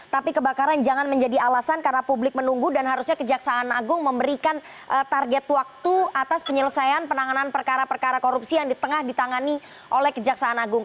tapi kebakaran jangan menjadi alasan karena publik menunggu dan harusnya kejaksaan agung memberikan target waktu atas penyelesaian penanganan perkara perkara korupsi yang di tengah ditangani oleh kejaksaan agung